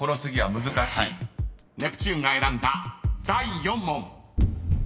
ネプチューンが選んだ第４問］